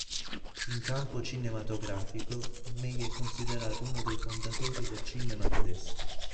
In campo cinematografico, May è considerato uno dei fondatori del cinema tedesco.